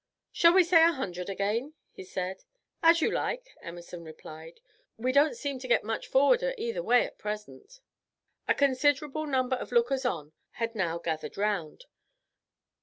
"Shall we say a hundred again?" he said. "As you like," Emerson replied. "We don't seem to get much forwarder either way at present." A considerable number of lookers on had now gathered round.